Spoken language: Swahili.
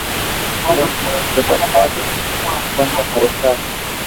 mawili ya saboteurs kutoka Ujerumani ambayo imekuwa kupandwa na manowari katika pwani ya Marekani